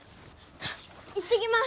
いってきます！